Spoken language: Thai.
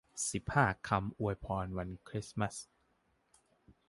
สิบห้า คำอวยพรวันคริสต์มาส